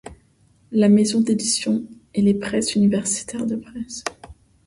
La maison d'édition est Les Presses universitaires de France.